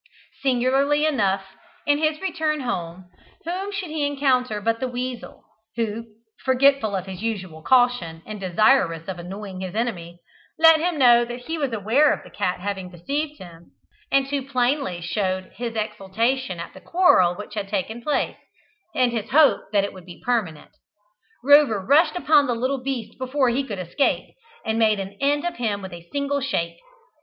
Singularly enough, in his return home, whom should he encounter but the weasel, who, forgetful of his usual caution, and desirous of annoying his enemy, let him know that he was aware of the cat having deceived him, and too plainly showed his exultation at the quarrel which had taken place, and his hope that it would be permanent. Rover rushed upon the little beast before he could escape, and made an end of him with a single shake.